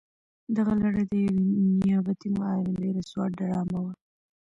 دغه لړۍ د یوې نیابتي معاملې رسوا ډرامه وه.